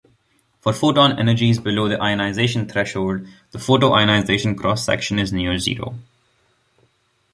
For photon energies below the ionization threshold, the photoionization cross-section is near zero.